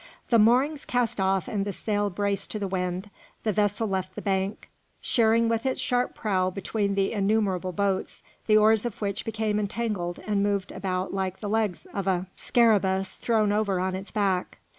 The moorings cast off and the sail braced to the wind, the vessel left the bank, sheering with its sharp prow between the innumerable boats, the oars of which became entangled and moved about like the legs of a scarabæus thrown over on its back.